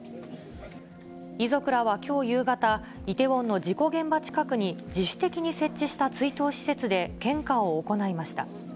遺族らはきょう夕方、イテウォンの事故現場近くに、自主的に設置した追悼施設で献花を行いました。